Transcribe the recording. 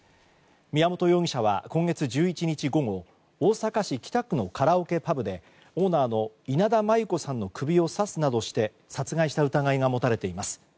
宮本容疑者は今月１１日午後大阪市北区のカラオケパブでオーナーの稲田真優子さんの首を刺すなどして殺害した疑いが持たれています。